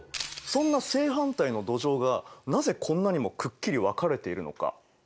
そんな正反対の土壌がなぜこんなにもくっきり分かれているのか。